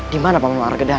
dimana paman argedan